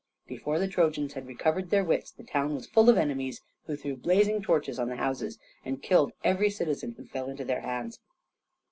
Before the Trojans had recovered their wits the town was full of enemies, who threw blazing torches on the houses and killed every citizen who fell into their hands.